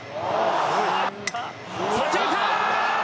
左中間！